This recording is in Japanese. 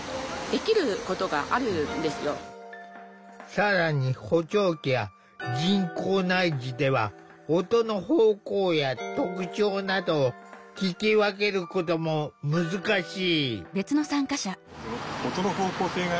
更に補聴器や人工内耳では音の方向や特徴などを聞き分けることも難しい。